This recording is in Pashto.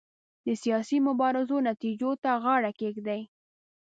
د سیاسي مبارزو نتیجو ته غاړه کېږدي.